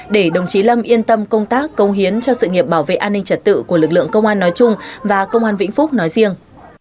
để đồng chí lâm yên tâm công tác công hiến cho sự nghiệp bảo vệ an ninh trật tự của lực lượng công an nói chung và công an vĩnh phúc nói riêng